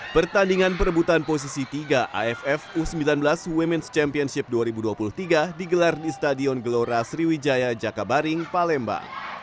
pertandingan perebutan posisi tiga aff u sembilan belas ⁇ womens ⁇ championship dua ribu dua puluh tiga digelar di stadion gelora sriwijaya jakabaring palembang